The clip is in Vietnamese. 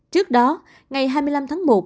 trước đó ngày hai mươi năm tháng một